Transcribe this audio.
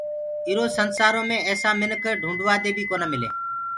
ايٚرو سنسآرو مي ايسآ مِنک ڍوٚنٚڊوادي بيٚ ڪونآ ملي۔